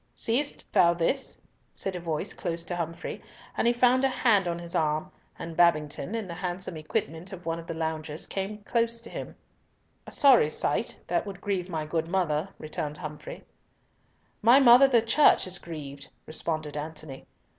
"Seest thou this?" said a voice close to Humfrey, and he found a hand on his arm, and Babington, in the handsome equipment of one of the loungers, close to him. "A sorry sight, that would grieve my good mother," returned Humfrey. "My Mother, the Church, is grieved," responded Antony.